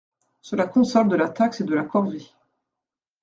Cela console de la taxe et de la corvée.